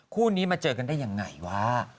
คู่นี้มาเจอกันได้ยังไงวะ